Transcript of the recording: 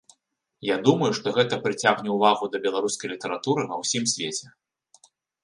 Я думаю, што гэта прыцягне ўвагу да беларускай літаратуры ва ўсім свеце.